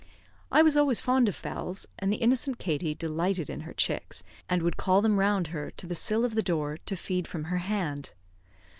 I was always fond of fowls, and the innocent Katie delighted in her chicks, and would call them round her to the sill of the door to feed from her hand.